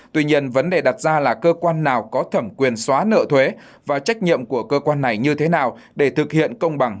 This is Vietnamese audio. tuy nhiên vấn đề đặt ra là cơ quan nào có thẩm quyền xóa nợ thuế và trách nhiệm của cơ quan này như thế nào để thực hiện công bằng